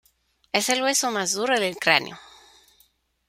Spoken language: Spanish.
Es el hueso más duro del cráneo.